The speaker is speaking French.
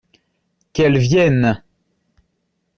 Qu’elles viennent !